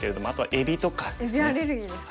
えびアレルギーですか？